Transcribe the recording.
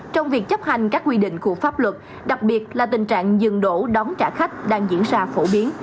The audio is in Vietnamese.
trong việc chấp hành các quy định của pháp luật đặc biệt là tình trạng dừng đổ đóng trả khách đang diễn ra phổ biến